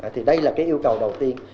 thì đây là cái yêu cầu đầu tiên